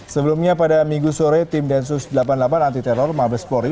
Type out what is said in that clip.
sehingga pada minggu sore tim densus delapan puluh delapan anti teror mabes polri